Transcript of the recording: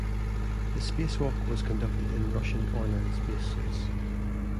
The spacewalk was conducted in Russian Orlan spacesuits.